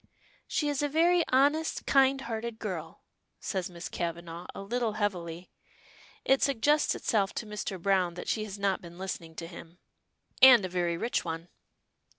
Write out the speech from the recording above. "She is a very honest, kind hearted girl," says Miss Kavanagh a little heavily. It suggests itself to Mr. Browne that she has not been listening to him. "And a very rich one."